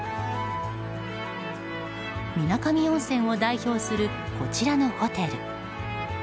水上温泉を代表するこちらのホテル。